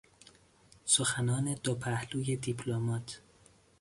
سخنان دوپهلوی دیپلمات